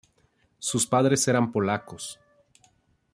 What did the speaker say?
Sus padres eran polacos.